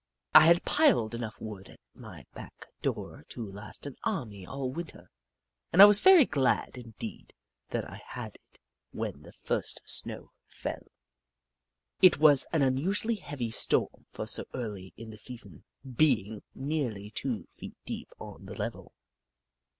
I had piled enough wood at my back door to last an army all Winter, and I was very glad indeed that I had it when the first snow fell. It was an unusually heavy storm for so early in the season, being nearly two feet deep on the level.